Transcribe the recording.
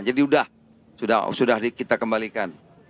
jadi sudah sudah kita kembalikan